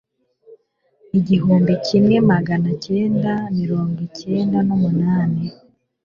igihumbi kimwe magana kenda miringo ikend numunani